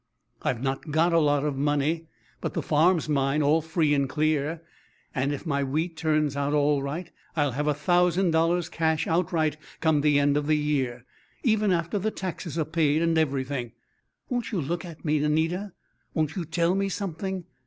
I've not got a lot of money, but the farm's mine, all free and clear, and if my wheat turns out all right I'll have a thousand dollars' cash outright come the end of the year, even after the taxes are paid and everything. Won't you look at me, Anita won't you tell me something?